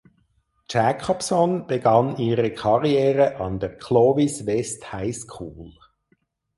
Jacobson begann ihre Karriere an der Clovis West High School.